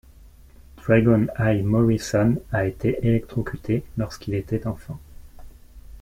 Dragon Eye Morrison a été électrocuté lorsqu'il était enfant.